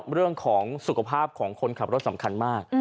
เรื่องของสุขภาพของคนขับรถสำคัญมาก